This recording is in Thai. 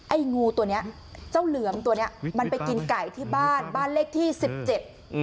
ไอ้งูตัวเนี้ยเจ้าเหลือมตัวเนี้ยมันไปกินไก่ที่บ้านบ้านเลขที่สิบเจ็ดอืม